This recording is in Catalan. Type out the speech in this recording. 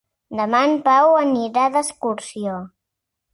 Demà en Pau anirà d'excursió.